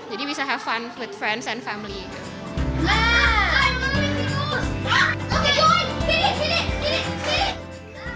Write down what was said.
jadi bisa bersenang senang dengan teman dan keluarga gitu